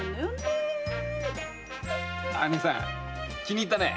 姐さん気に入ったね。